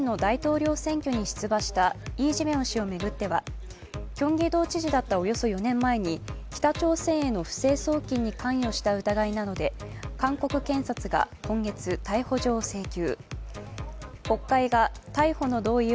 共に民主党代表で去年の大統領選挙に出馬したイ氏を巡ってはキョンギドウ知事だったおよそ４年前に、北朝鮮への不正送金に関与した疑いなどで韓国検察が今月、逮捕状を請求。